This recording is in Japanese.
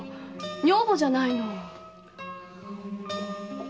女房じゃないの！